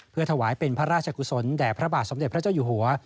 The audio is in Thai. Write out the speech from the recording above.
เพื่อถวายเป็นพระราชกุศลแด่พระบาทสมเด็จพระเจ้าอยู่หัว